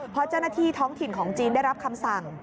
เพราะเจ้าหน้าที่ท้องถิ่นของจีนได้รับคำสั่ง